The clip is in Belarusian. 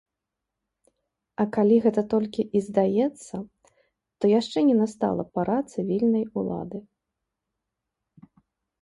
А калі гэта толькі і здаецца, то яшчэ не настала пара цывільнай улады.